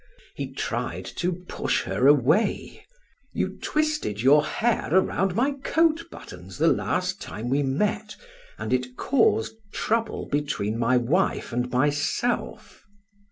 He tried to push her away: "You twisted your hair around my coat buttons the last time we met, and it caused trouble between my wife and myself."